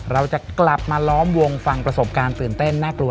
เราจะกลับมาล้อมวงฟังประสบการณ์ตื่นเต้นน่ากลัว